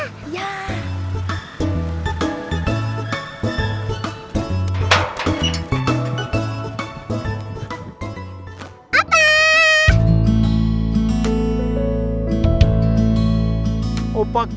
tak bisa diantar pas nggak